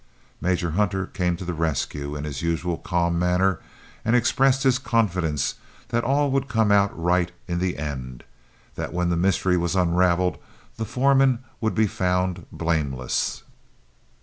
Major Hunter came to the rescue, in his usual calm manner, and expressed his confidence that all would come out right in the end; that when the mystery was unraveled the foreman would be found blameless.